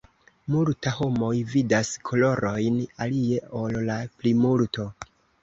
Multa homoj vidas kolorojn alie ol la plimulto.